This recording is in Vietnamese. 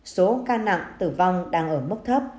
số ca nặng tử vong đang ở mức thấp